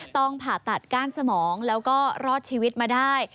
ต้องผ่าตัดก้านสมองแล้วก็รอดชีวิตมาได้